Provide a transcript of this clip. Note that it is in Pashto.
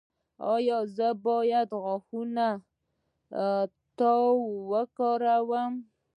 ایا زه باید د غاښونو تار وکاروم؟